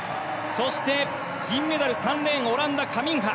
そして、銀メダル３レーン、オランダ、カミンハ。